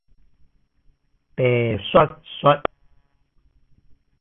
白雪雪